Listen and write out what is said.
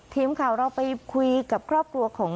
ทีมข่าวเราไปคุยกับครอบครัวของ